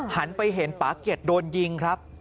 หันไปเห็นปรากฏโดนยิงครับ